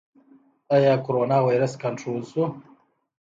آیا کرونا ویروس کنټرول شو؟